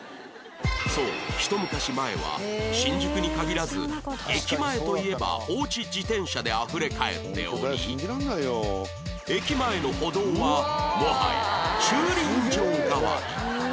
そうひと昔前は新宿に限らず駅前といえば放置自転車であふれかえっており駅前の歩道はもはや駐輪場代わり